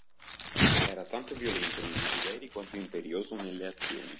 Era tanto violento nei desideri quanto imperioso nelle azioni.